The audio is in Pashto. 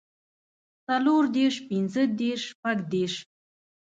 څلور دېرش پنځۀ دېرش شپږ دېرش